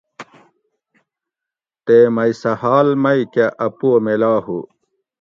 تے مئ سہ حال مئ کہ اۤ پو میلا ھو